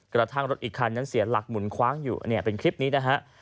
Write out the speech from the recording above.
กระทั่งรถอีกคันนั้นเสียหลักหมุนคว้างอยู่เนี่ยเป็นคลิปนี้นะฮะ